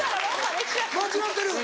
間違ってる。